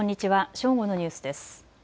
正午のニュースです。